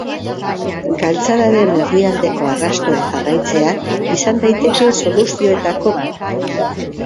Galtzadaren erdialdeko arrastoa jarraitzea izan daiteke soluzioetako bat.